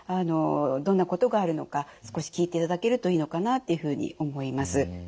どんなことがあるのか少し聞いていただけるといいのかなっていうふうに思います。